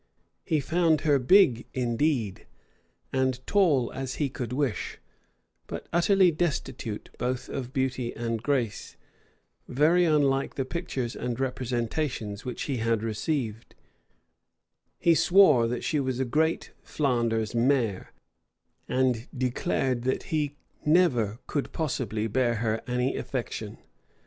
He found her big, indeed, and tall as he could wish; but utterly destitute both of beauty and grace; very unlike the pictures and representations which he had received: he swore she was a great Flanders mare; and declared that he never could possibly bear her any affection.